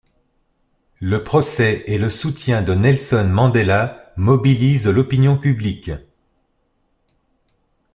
Le procès et le soutien de Nelson Mandela mobilisent l'opinion publique.